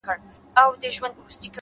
خاموش سکوت ذهن ژوروي’